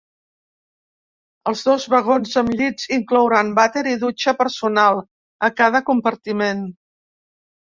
Els dos vagons amb llits inclouran vàter i dutxa personal a cada compartiment.